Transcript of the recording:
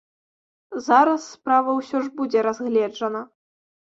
Зараз справа ўсё ж будзе разгледжана.